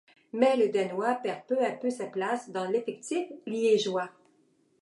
Mais le Danois perd peu à peu sa place dans l'effectif liégeois.